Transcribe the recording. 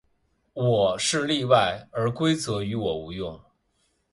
我是例外，而规则于我无用。